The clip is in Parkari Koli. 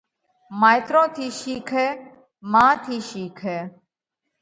مائيترون ٿِي شِيکئه۔ مان ٿِي شِيکئه۔